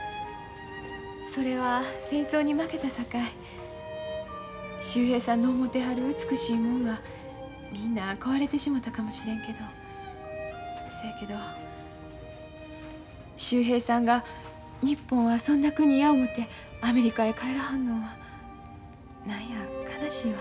それは戦争に負けたさかい秀平さんの思てはる美しいもんはみんな壊れてしもたかもしれんけどせやけど秀平さんが日本はそんな国や思てアメリカへ帰らはるのんは何や悲しいわ。